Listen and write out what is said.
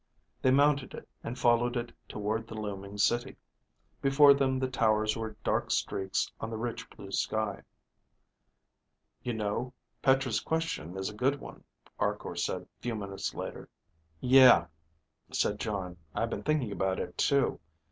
They mounted it and followed it toward the looming city. Before them the towers were dark streaks on the rich blue sky. "You know, Petra's question is a good one," Arkor said few minutes later. "Yeah," said Jon. "I've been thinking about it too.